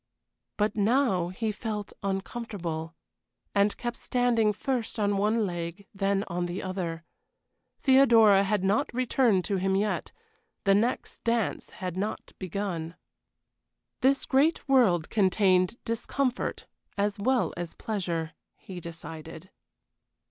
But now he felt uncomfortable, and kept standing first on one leg, then on the other. Theodora had not returned to him yet: the next dance had not begun. This great world contained discomfort as well as pleasure, he decided.